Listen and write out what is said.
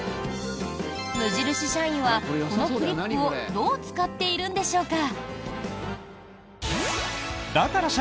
無印社員はこのクリップをどう使っているんでしょうか。